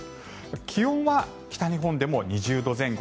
気温は北日本でも２０度前後。